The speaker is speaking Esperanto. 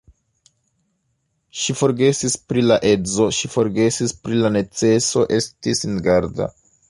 Ŝi forgesis pri la edzo, ŝi forgesis pri la neceso esti singarda.